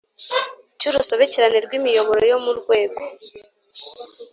Cy urusobekerane rw imiyoboro yo mu rwego